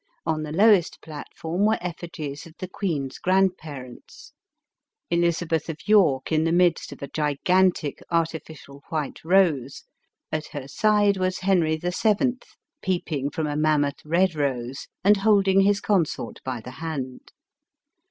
On the lowest platform were effigies of the queen's ELIZABETH OF ENGLAND. 807 grandparents — Elizabeth of York in the midst of a gigantic, artificial white rose ; at her side was Henry VIL, peeping from a mammoth red rose, and holding his consort bj the hand.